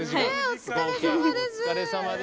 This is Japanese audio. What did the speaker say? お疲れさまです。